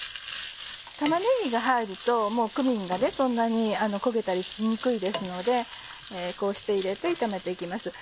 玉ねぎが入るともうクミンがそんなに焦げたりしにくいですのでこうして入れて炒めて行きます。